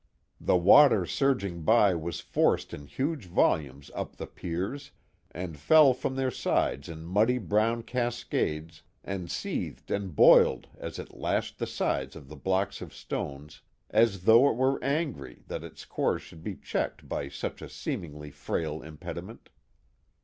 The water surging by was forced in huge volumes up the piers, and fell from their sides in muddy brown cascades, and seethed and boiled as it lashed the sides of the blocks of stones, as though it were angry that its course should be checked by such a seemingly frail impediment.